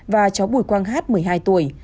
và cháu bùi quang hát một mươi hai tuổi